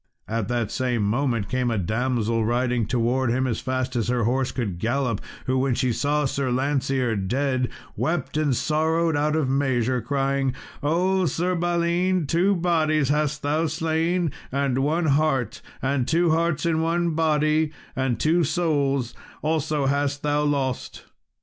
At that same moment came a damsel riding towards him as fast as her horse could gallop, who, when she saw Sir Lancear dead, wept and sorrowed out of measure, crying, "O, Sir Balin, two bodies hast thou slain, and one heart; and two hearts in one body; and two souls also hast thou lost."